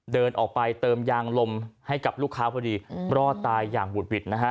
เดินออกไปเติมยางลมให้กับลูกค้าพอดีรอดตายอย่างบุดหวิดนะฮะ